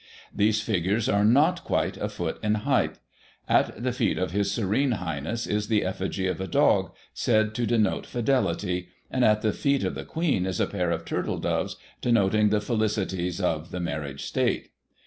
These figure are not quite a foot in height; at the feet of His Serene Highness is the effigy of a dog, said to denote fidelity ; and, at the feet of the Queen is a pair of turtle doves, denoting the felicities of the marriage state.